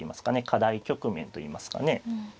課題局面といいますかね